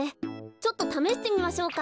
ちょっとためしてみましょうか。